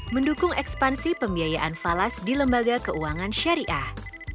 mendukung ekspansi pembiayaan falas di lembaga keuangan syariah